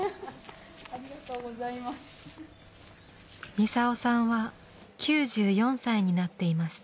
ミサオさんは９４歳になっていました。